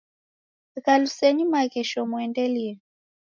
Ghalusenyi maghesho muendelie